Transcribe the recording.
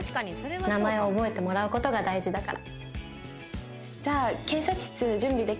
名前を覚えてもらう事が大事だから。